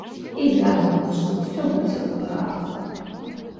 І я думаю, што ўсё будзе ў парадку!